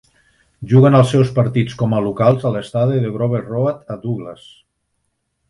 Juguen els seus partits com a locals a l'estadi Groves Road, a Douglas.